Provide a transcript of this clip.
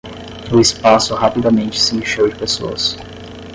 O espaço rapidamente se encheu de pessoas.